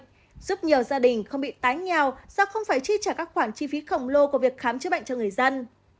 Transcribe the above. giúp nhiều gia đình không bị tái nghèo do không phải chi trả các khoản chi phí khổng lồ của việc khám chữa bệnh cho người dân